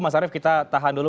mas arief kita tahan dulu